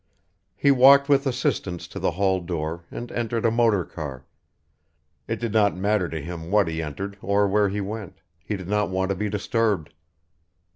He walked with assistance to the hall door and entered a motor car, it did not matter to him what he entered or where he went, he did not want to be disturbed.